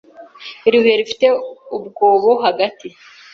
Iri buye rifite umwobo hagati.